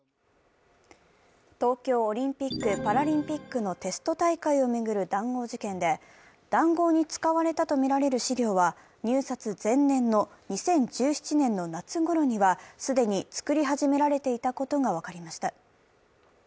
東京オリンピック・パラリンピックのテスト大会を巡る談合事件で、談合に使われたとみられる資料は入札前年の２０１７年の夏ごろには既に作り始められていたことが分かりました。